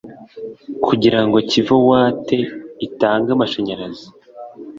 Kugira ngo Kivu Watt itange amashanyarazi